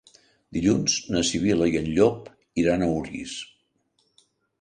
Dilluns na Sibil·la i en Llop iran a Orís.